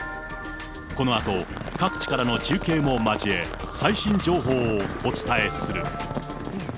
このあと、各地からの中継も交え、最新情報をお伝えする。